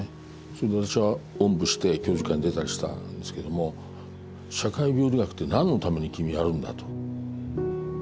それで私はおんぶして教授会に出たりしたんですけども社会病理学って何のために君やるんだと。